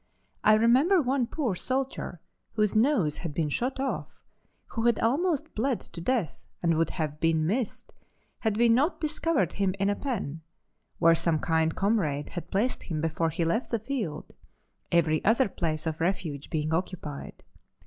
I remember one poor soldier whose nose had been shot off, who had almost bled to death and would have been missed had we not discovered him in a pen, where some kind comrade had placed him before he left the field, every other place of refuge being occupied.